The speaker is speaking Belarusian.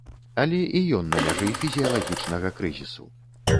Але і ён на мяжы фізіялагічнага крызісу.